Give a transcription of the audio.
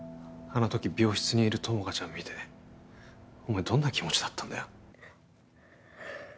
あの時病室にいる友果ちゃん見てお前どんな気持ちだったんだよ？